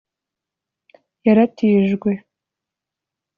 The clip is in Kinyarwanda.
yaratijwe)